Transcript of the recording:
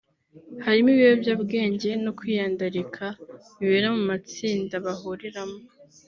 harimo ibiyobyabwenge no kwiyandarika bibera mu matsinda bahuriramo